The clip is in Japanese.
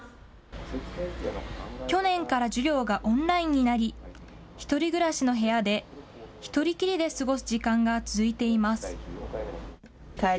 去年から授業がオンラインになり、１人暮らしの部屋で、１人きりで過ごす時間が続いています。